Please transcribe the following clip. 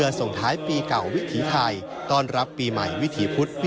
เดินทางมาร่วมพิทธิกษีความพลี